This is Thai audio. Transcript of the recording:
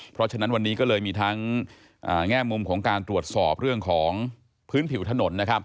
เพราะฉะนั้นวันนี้ก็เลยมีทั้งแง่มุมของการตรวจสอบเรื่องของพื้นผิวถนนนะครับ